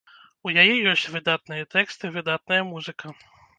У яе ёсць выдатныя тэксты, выдатная музыка.